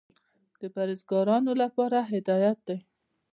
د پرهېزګارانو لپاره هدایت دى.